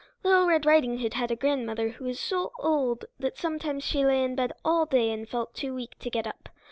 Little Red Riding Hood had a grandmother who was so old that sometimes she lay in bed all day and felt too weak to get up.